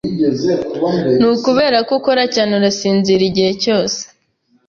Ni ukubera ko ukora cyane urasinzira igihe cyose.